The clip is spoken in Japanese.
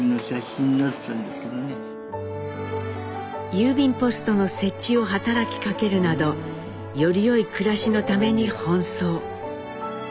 郵便ポストの設置を働きかけるなどよりよい暮らしのために奔走。